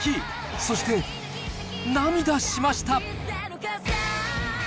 そして涙しました。